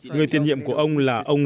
người tiền hiệm của ông là ông